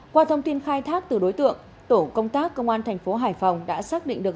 qua thông tin khai thác từ đối tượng tổ công tác công an thành phố hải phòng đã xác định được